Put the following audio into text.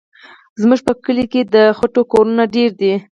زموږ په کلي کې د خټو کورونه ډېر دي.